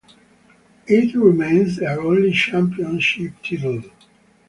It remains their only championship title.